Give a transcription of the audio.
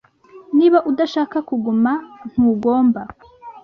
Niba udashaka kuguma ntugomba